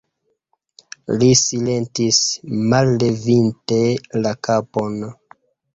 Li silentis, mallevinte la kapon.